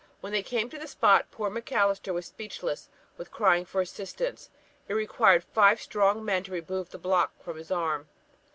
When they came to the spot, poor Macalister was speechless with crying for assistance. It required five strong men to remove the block from his arm.